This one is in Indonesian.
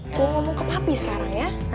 aku ngomong ke papi sekarang ya